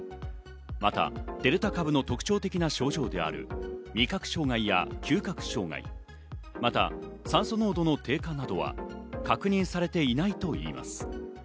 またデルタ株の特徴的な症状である味覚障害や嗅覚障害、また、酸素濃度の低下などは確認されていないと言います。